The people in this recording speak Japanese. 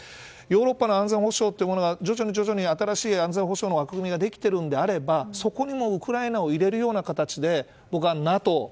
ヨーロッパの安全保障に徐々に新しい安全保障の枠組みができているのであればそこにウクライナを入れるような形でＮＡＴＯ